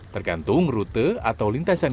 tempat tamu tamu kerajaan